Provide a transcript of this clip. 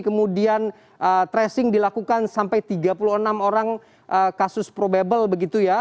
kemudian tracing dilakukan sampai tiga puluh enam orang kasus probable begitu ya